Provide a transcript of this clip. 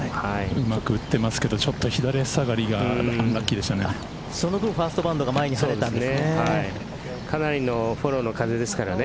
うまく打ってますけどちょっと左足下がりがアンラッキーでしたね。